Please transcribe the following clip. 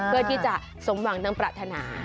เพื่อที่จะสมหวังดังปรารถนา